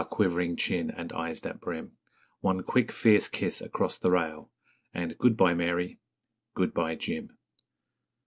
quivering chin and eyes that brim! One quick, fierce kiss across the rail, And, 'Good bye, Mary!' 'Good bye, Jim!'